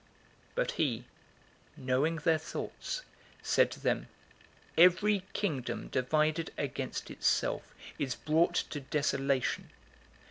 011:017 But he, knowing their thoughts, said to them, "Every kingdom divided against itself is brought to desolation.